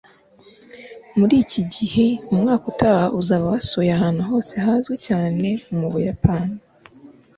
Muri iki gihe umwaka utaha uzaba wasuye ahantu hose hazwi cyane mu Buyapani